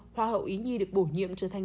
hoa hậu ý nhi được bổ nhiệm trở thành